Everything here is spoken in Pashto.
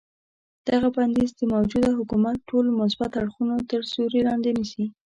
دغه بندیز د موجوده حکومت ټول مثبت اړخونه تر سیوري لاندې نیسي.